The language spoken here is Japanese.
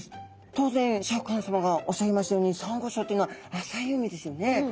当然シャーク香音さまがおっしゃいましたようにサンゴ礁というのは浅い海ですよね。